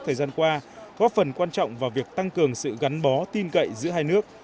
thời gian qua có phần quan trọng vào việc tăng cường sự gắn bó tin cậy giữa hai nước